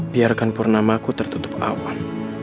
biarkan purnamaku tertutup awam